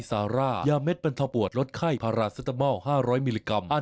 แดดนี่แห้งจะปกประเป็นอุปสาห์เอียงเลย